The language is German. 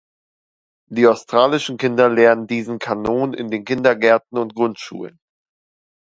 Die australischen Kinder lernen diesen Kanon in den Kindergärten und Grundschulen.